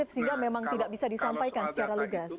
nah kalau menurut badan pom memang tidak bisa disampaikan secara lugas